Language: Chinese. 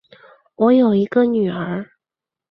我有一个女儿